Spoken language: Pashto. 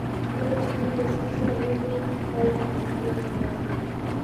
کله چې دوی له سپي سره لوبې پای ته ورسولې